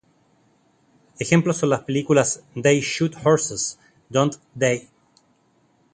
Ejemplos son las películas "They Shoot Horses, Don't They?